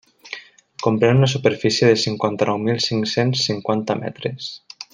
Comprèn una superfície de cinquanta-nou mil cinc-cents cinquanta metres.